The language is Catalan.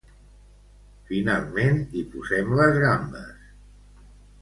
Finalment, hi posem les gambes.